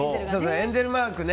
エンゼルマークね。